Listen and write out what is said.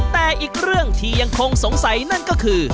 แต่อีกเรื่องที่ยังคงสงสัยนั่นก็คือ